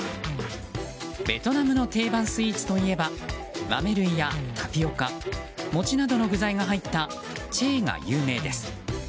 ベトナムの定番スイーツといえば豆類やタピオカ餅などの具材が入ったチェーが有名です。